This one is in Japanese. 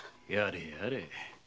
やれやれ